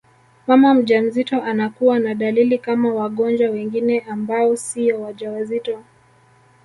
Mama mjamzito anakuwa na dalili kama wagonjwa wengine ambao siyo wajawazito